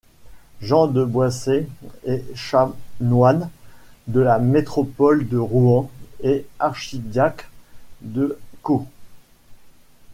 Jean de Boissey est chanoine de la métropole de Rouen et archidiacre de Caux.